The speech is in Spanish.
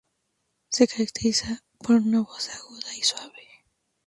Se caracteriza por un voz aguda y muy suave.